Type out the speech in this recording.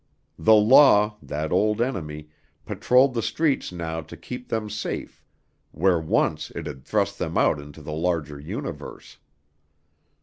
The law that old enemy patroled the streets now to keep them safe where once it had thrust them out into the larger universe.